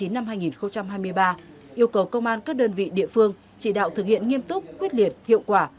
năm hai nghìn hai mươi ba yêu cầu công an các đơn vị địa phương chỉ đạo thực hiện nghiêm túc quyết liệt hiệu quả